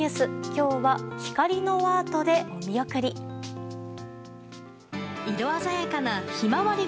今日は光のアートでお見送り。